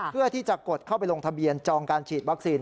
เพื่อที่จะกดเข้าไปลงทะเบียนจองการฉีดวัคซีน